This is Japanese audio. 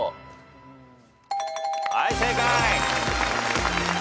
はい正解。